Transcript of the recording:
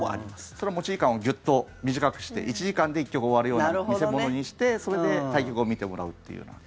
それも持ち時間をギュッと短くして１時間で１局終わるような見せ物にしてそれで対局を見てもらうというような。